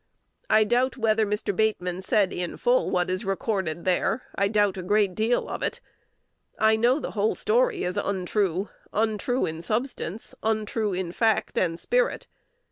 I doubt whether Mr. Bateman said in full what is recorded there: I doubt a great deal of it. I know the whole story is untrue, untrue in substance, untrue in fact and spirit.